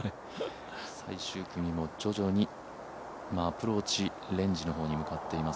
最終組も徐々にアプローチレンジの方に向かっています。